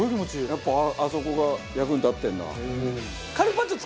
やっぱあそこが役に立ってるんだ。